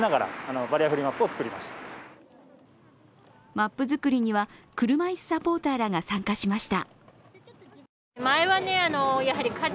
マップ作りには、車いすサポーターらが参加しました。